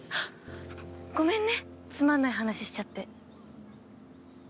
ごめんねつまんない話しちゃって。